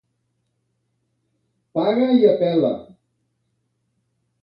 Paga i apel·la.